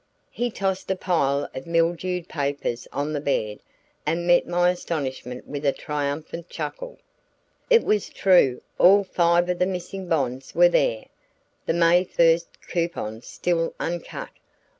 He tossed a pile of mildewed papers on the bed and met my astonishment with a triumphant chuckle. It was true all five of the missing bonds were there, the May first coupons still uncut.